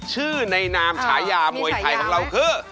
ชื่อในนามฉายามวยไทยของเราคือ